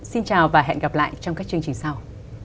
xin chào và hẹn gặp lại trong các chương trình sau